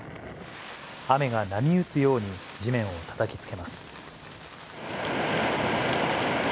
雨が波打つように地面をたたきつけます。